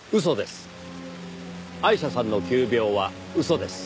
嘘です。